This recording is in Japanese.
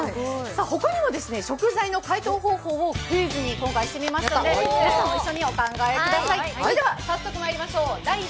他にも食材の解凍方法を今回クイズにしてみましたので、皆さんも一緒にお考えください。